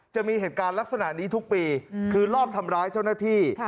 จะมีเหตุการณ์ลักษณะนี้ทุกปีคือรอบทำร้ายเจ้าหน้าที่